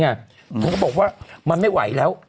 เขาก็บอกว่ามันไม่ไหวแล้ว